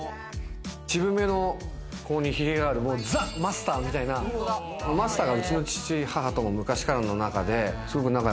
渋めのここに、ひげがある、ザ・マスターみたいなマスターがうちの父と母とも昔からの中で。